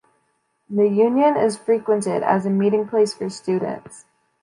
The Union is frequented as a meeting place for students.